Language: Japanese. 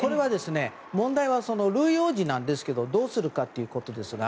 問題はルイ王子なんですがどうするかということですが。